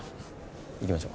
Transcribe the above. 行きましょう。